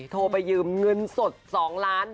โทรไปยืมเงินสด๒ล้าน